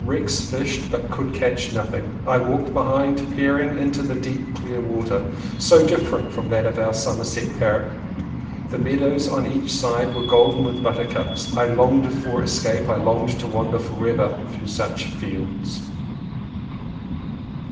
Rex fished, but could catch nothing. I walked behind, peering into the deep clear water, so different from that of our Somersetshire Parret. The meadows on each side were golden with buttercups. I longed for escape, I longed to wander forever through such fields!